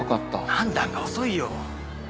判断が遅いよ。